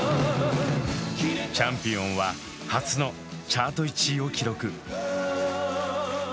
「チャンピオン」は初のチャート１位を記録。